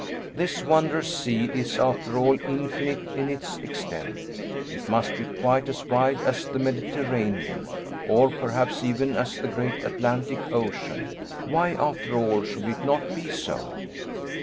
This wondrous sea is, after all, infinite in its extent. It must be quite as wide as the Mediterranean or perhaps even as the great Atlantic Ocean. Why, after all, should it not be so?